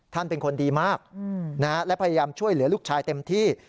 เป็นคนดีมากและพยายามช่วยเหลือลูกชายเต็มที่